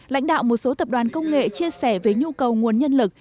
lãnh đạo một số tập đoàn công nghệ chia sẻ về nhu cầu nguồn nhân lực